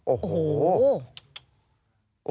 โอ้โห